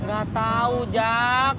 gak tau jak